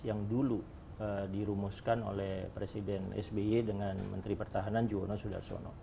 yang dulu dirumuskan oleh presiden sby dengan menteri pertahanan juwono sudarsono